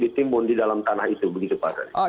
ditimbun di dalam tanah itu begitu pak